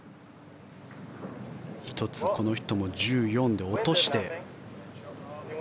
１つこの人も１４で落として。